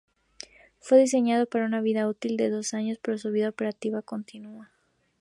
Fue diseñado para una vida útil de dos años, pero su vida operativa continúa.